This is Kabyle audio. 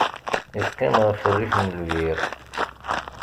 Yeqqim ɣef rrif n lbir.